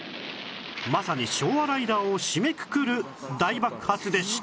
まさに昭和ライダーを締めくくる大爆発でした